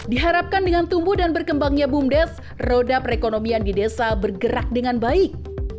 diharapkan dengan tumbuh dan berkembangnya bumdes roda perekonomian di desa bergerak dengan baik